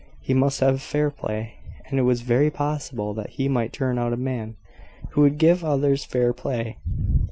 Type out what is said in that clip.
He must have fair play; and it was very possible that he might turn out a man who would give others fair play.